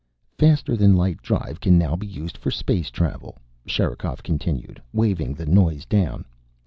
"Faster than light drive can now be used for space travel," Sherikov continued, waving the noise down.